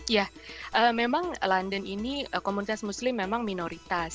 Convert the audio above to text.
ya memang london ini komunitas muslim memang minoritas